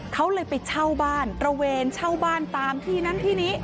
เขาเลยไปเช่าบ้านตระเวนเช่าบ้านตามที่นั้นที่นี้